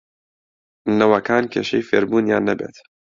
نەوەکان کێشەی فێربوونیان نەبێت